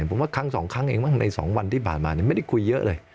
ผมว่าครั้ง๒ครั้งเองบ้างใน๒วันที่ผ่านมาไม่ได้คุยเยอะเลย